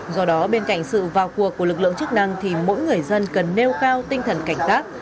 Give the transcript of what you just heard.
do đó bên cạnh sự vào cuộc của lực lượng chức năng thì mỗi người dân cần nêu cao tinh thần cảnh giác